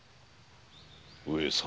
上様。